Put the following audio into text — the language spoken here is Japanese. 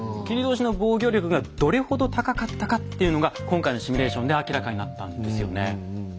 切通の防御力がどれほど高かったかっていうのが今回のシミュレーションで明らかになったんですよね。